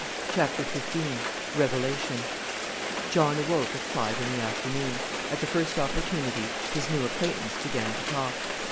CHAPTER XV REVELATION John awoke at five in the afternoon. At the first opportunity his new acquaintance began to talk.